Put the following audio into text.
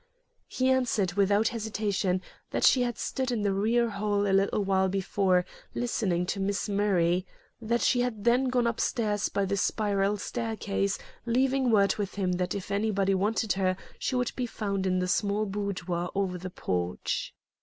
He answered without hesitation that she had stood in the rear hall a little while before, listening to Miss Murray; that she had then gone up stairs by the spiral staircase, leaving word with him that if anybody wanted her she would be found in the small boudoir over the porch.